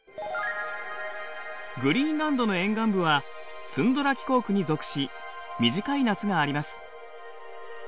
グリーンランドの沿岸部はツンドラ気候区に属し短い夏があります。